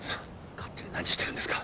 勝手に何してるんですか